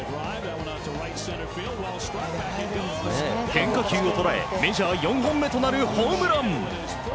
変化球を捉えメジャー４本目となるホームラン。